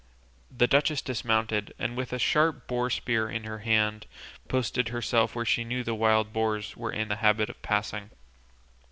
The duchess dismounted, and with a sharp boar spear in her hand posted herself where she knew the wild boars were in the habit of passing.